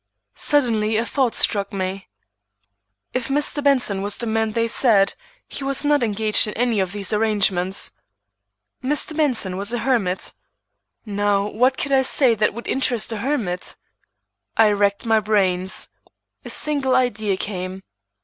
Suddenly a thought struck me. If Mr. Benson was the man they said, he was not engaged in any of these arrangements. Mr. Benson was a hermit. Now what could I say that would interest a hermit? I racked my brains; a single idea came.